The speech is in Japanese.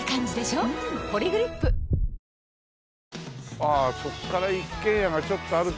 ああそこから一軒家がちょっとあるか。